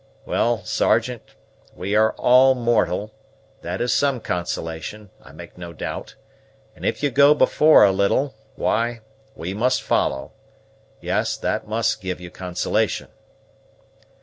Well, Sergeant, we are all mortal; that is some consolation, I make no doubt; and if you go before a little, why, we must follow. Yes, that must give you consolation."